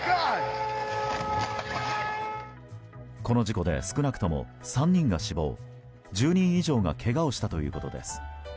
この事故で少なくとも３人が死亡１０人以上がけがをしたということです。